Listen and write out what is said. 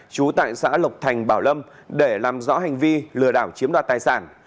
trú tại xã lộc thành bảo lâm để làm rõ hành vi lừa đảo chiếm đoạt tài sản